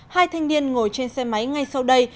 hai thanh niên ngồi trên xe máy ngay sau đây